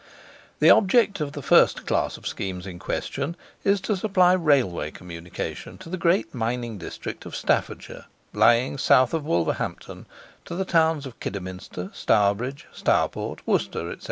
The object of the first class of schemes in question is to supply Railway communication to the great mining district of Staffordshire, lying south of Wolverhampton, to the towns of Kidderminster, Stourbridge, Stourport, Worcester, &c.